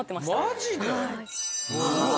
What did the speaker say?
マジで？